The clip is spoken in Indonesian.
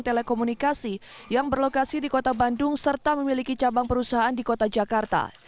telekomunikasi yang berlokasi di kota bandung serta memiliki cabang perusahaan di kota jakarta